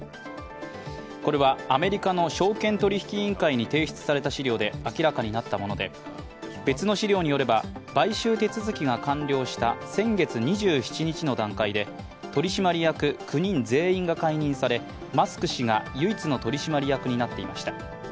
これはアメリカの証券取引委員会に提出された資料で明らかになったもので別の資料によれば買収手続きが完了した先月２７日の段階で取締役９人全員が解任され、マスク氏が唯一の取締役になっていました。